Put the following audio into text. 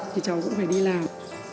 thì cháu cũng phải đi làm